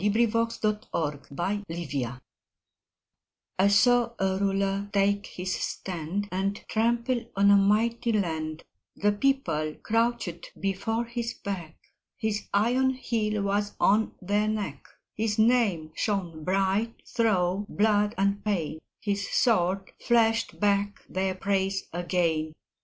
VERSE: THE THREE RULERS I saw a Ruler take his stand And trample on a mighty land; The People crouched before his beck, His iron heel was on their neck, His name shone bright through blood and pain, His sword flashed back their praise again.